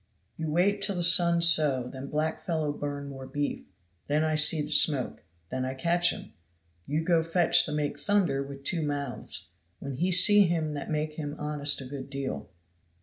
"You wait till the sun so; then black fellow burn more beef. Then I see the smoke; then I catch him. You go fetch the make thunder with two mouths. When he see him that make him honest a good deal."